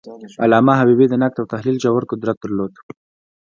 علامه حبیبي د نقد او تحلیل ژور قدرت درلود.